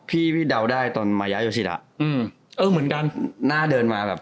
พี่พี่เดาได้ตอนอืมเออเหมือนกันหน้าเดินมาแบบ